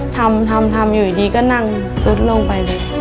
ทำทำอยู่ดีก็นั่งซุดลงไปเลย